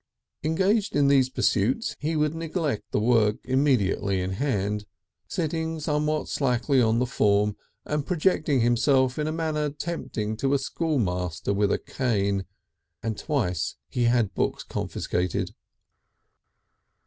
Engaged in these pursuits he would neglect the work immediately in hand, sitting somewhat slackly on the form and projecting himself in a manner tempting to a schoolmaster with a cane.... And twice he had books confiscated.